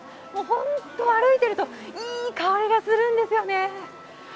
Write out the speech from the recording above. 本当、歩いてるといい香りがするんですよね。